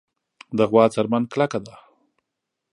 د غوا څرمن کلکه ده.